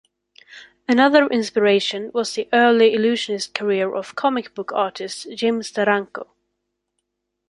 Another inspiration was the early illusionist career of comic book artist Jim Steranko.